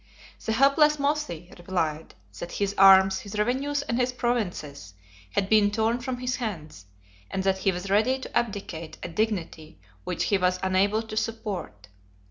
The helpless Mothi replied, that his arms, his revenues, and his provinces, had been torn from his hands, and that he was ready to abdicate a dignity which he was unable to support.